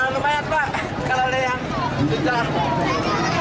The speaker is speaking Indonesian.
lumayan pak kalau ada yang pecah